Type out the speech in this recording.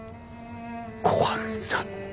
小春さんだ。